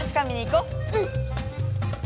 うん！